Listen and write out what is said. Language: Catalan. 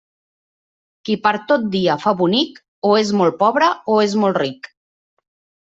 Qui per tot dia fa bonic, o és molt pobre o és molt ric.